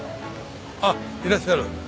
あっいらっしゃる。